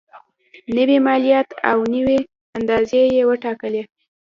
نوي مالیات او نوي اندازې یې وټاکلې.